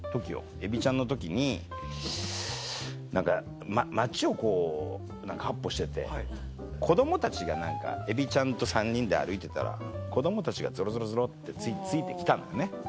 エビちゃんの時に何か街をこう闊歩してて子供たちが何かエビちゃんと３人で歩いてたら子供たちがゾロゾロゾロってついて来たのよね。